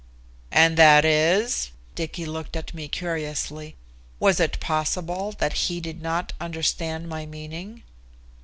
"And that is?" Dicky looked at me curiously. Was it possible that he did not understand my meaning?